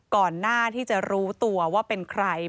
ก่อนหน้าที่จะรู้ตัวว่าเป็นใคร